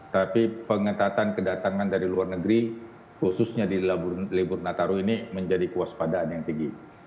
tapi pengetatan kedatangan dari luar negeri khususnya di libur nataru ini menjadi kuas padaan yang tinggi